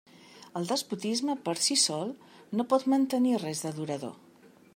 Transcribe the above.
El despotisme, per si sol, no pot mantenir res de durador.